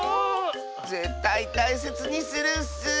ぜったいたいせつにするッス！